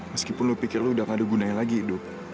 meskipun lu pikir lo udah gak ada gunanya lagi dok